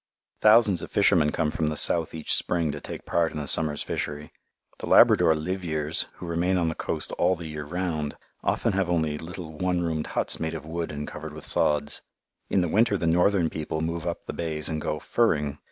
Thousands of fishermen come from the south each spring to take part in the summer's fishery. The Labrador "liveyeres," who remain on the coast all the year round, often have only little one roomed huts made of wood and covered with sods. In the winter the northern people move up the bays and go "furring."